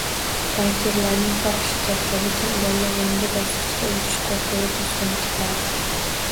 Bankirlarning xohishi katta, lekin ularga yangi bosqichga o'tish qo'rquvi to'sqinlik qiladi